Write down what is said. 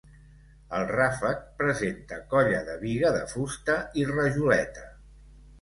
El ràfec presenta colla de biga de fusta i rajoleta.